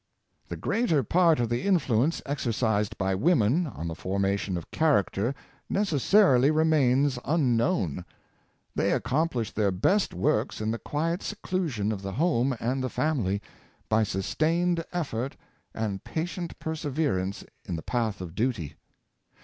The greater part of the influence exercised by women on the formation of character necessarily remains un known. They accomplish their best works in the quiet seclusion of the home and the family, by sustained effort and patient perseverance in the path of duty.